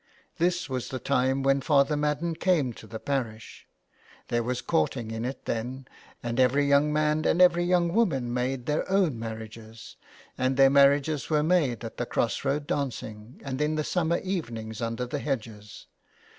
This was the time when Father Madden came to the parish. There was courting in it then, and every young man and every young woman made their own marriages, and their marriages were made at the cross road dancing, and in the summer evenings under the hedges.